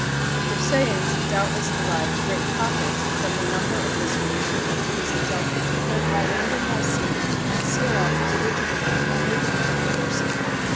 The Crissæans doubtless derived great profits from the number of visitors who came to visit Delphi, both by land and by sea, and Cirrha was originally only the name for their seaport.